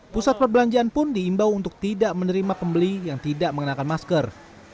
pusat perbelanjaan pun diimbau untuk tidak menerima pembeli yang tidak mengenakan masker